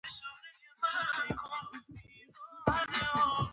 د لمریزې انرژۍ ظرفیت څومره دی؟